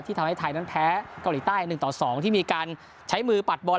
ที่ทำให้ไทยแพ้เกาหลีใต้๑๒ที่มีการใช้มือปัดบอล